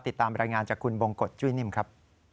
ติดตามรายงานจากคุณบงกฎจุ้ยนิ่มครับ